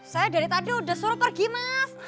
saya dari tadi sudah suruh pergi mas